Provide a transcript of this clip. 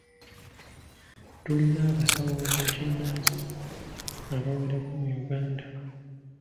Tulina abasawo b'ekinnansi abawerako mu Uganda.